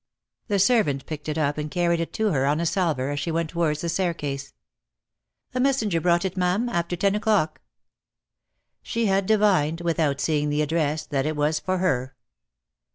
The servant picked it up and carried it to her on a salver, as she went towards the staircase. "A messenger brought it, ma'am, after ten o'clock." She had divined, without seeing the address, that it was for her.